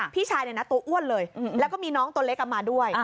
พี่ชายเนี่ยนะตัวอ้วนเลยแล้วก็มีน้องตัวเล็กมาด้วย